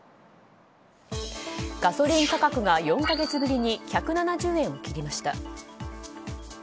ガソリン価格が４か月ぶりに１７０円を切りました。